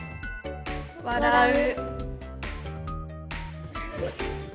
「笑う」。